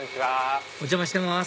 お邪魔してます